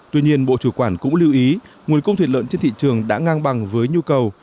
tuy nhiên bộ chủ quản cũng lưu ý nguồn cung thịt lợn trên thị trường đã ngang bằng với nhu cầu